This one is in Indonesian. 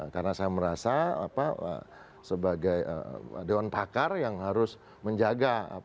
karena saya merasa sebagai dewan pakar yang harus menjaga